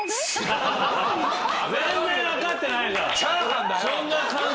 全然分かってないじゃん。